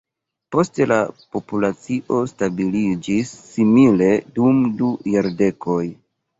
Poste la populacio stabiliĝis simile dum du jardekoj.